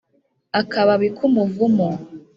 akababi k'umuvumu.